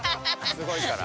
すごいから。